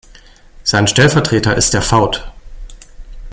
Sein Stellvertreter ist der Fauth.